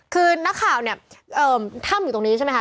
คือนักข่าวเนี่ยถ้ำอยู่ตรงนี้ใช่ไหมคะ